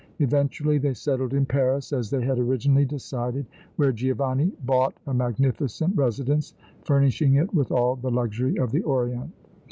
Eventually they settled in Paris, as they had originally decided, where Giovanni bought a magnificent residence, furnishing it with all the luxury of the orient.